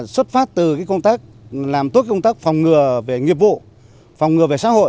xuất phát từ công tác làm tốt công tác phòng ngừa về nghiệp vụ phòng ngừa về xã hội